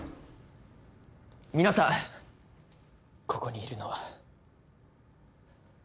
皆さんここにいるのは。